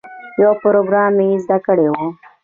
یو پروګرام یې زده کړی وي.